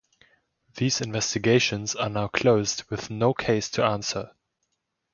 These investigations are now closed with no case to answer.